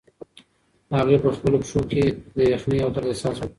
هغې په خپلو پښو کې د یخنۍ او درد احساس وکړ.